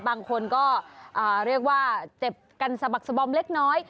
บางคนก็เรียกว่าเจ็บกันสะบักสบอมเล็กน้อย